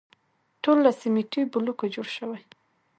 ټول له سیمټي بلوکو جوړ شوي.